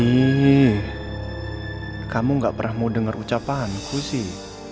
ri kamu gak pernah mau denger ucapan ku sih